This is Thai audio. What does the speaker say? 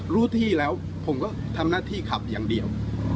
รู้ที่แล้วผมก็ทำหน้าที่ขับอย่างเดียว